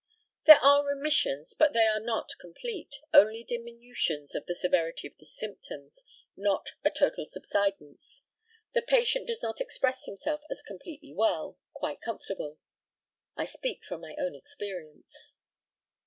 There are remissions, but they are not complete; only diminutions of the severity of the symptoms not a total subsidence. The patient does not express himself as completely well, quite comfortable. I speak from my own experience.